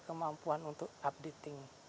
kemampuan untuk updating